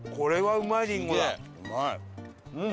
うん！